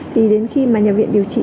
thì đến khi nhà viện điều trị